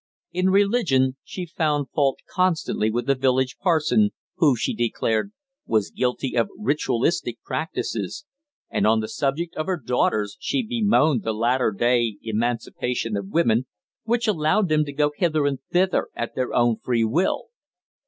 In religion, she found fault constantly with the village parson, who, she declared, was guilty of ritualistic practices, and on the subject of her daughters she bemoaned the latter day emancipation of women, which allowed them to go hither and thither at their own free will.